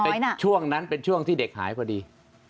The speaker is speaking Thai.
ช่วงนั้นเป็นช่วงที่เด็กหายพอดี